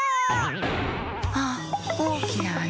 あっおおきなあな。